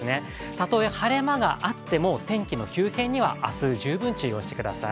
たとえ晴れ間があっても、天気の急変には明日、十分お気をつけください。